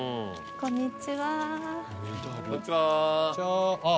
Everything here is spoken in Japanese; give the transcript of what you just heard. こんにちはあっ